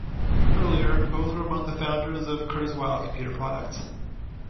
Earlier, both were among the founders of Kurzweil Computer Products.